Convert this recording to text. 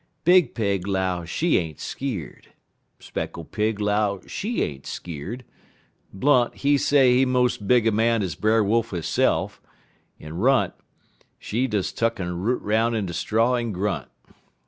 Big Pig 'low she ain't skeer'd, Speckle Pig 'low she ain't skeer'd, Blunt, he say he mos' big a man ez Brer Wolf hisse'f, en Runt, she des tuck'n root 'roun' in de straw en grunt.